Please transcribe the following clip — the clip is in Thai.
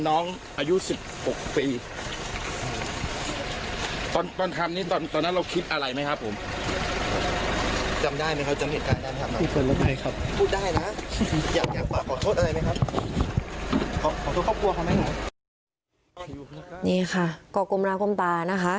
นี่ค่ะกรกมนาคมตานะคะ